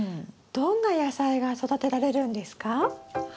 どんな野菜が育てられるんですか？